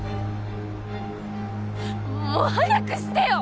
もう早くしてよ！